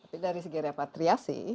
tapi dari segi repatriasi